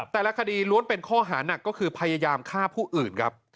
แต่ละคดีล้วนเป็นข้อหานักก็คือพยายามฆ่าผู้อื่นครับ